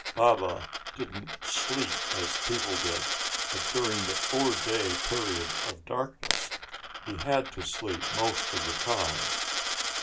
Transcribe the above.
Baba didn't sleep as people did, but during the four day period of darkness he had to sleep most of the time.